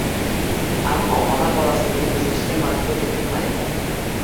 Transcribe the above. Ammo ona bolasini emizishga majbur etilmaydi.